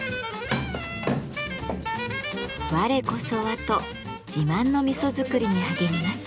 「我こそは」と自慢の味噌作りに励みます。